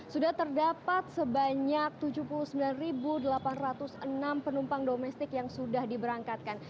sudah terdapat sebanyak tujuh puluh sembilan delapan ratus enam penumpang domestik yang sudah diberangkatkan